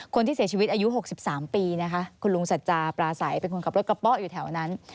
คนที่เสียชีวิตอายุ๖๓ปีนะคะคุณลุงสัจจาปราศัยเป็นคนขับรถกระเป๊ะอยู่แถวนั้น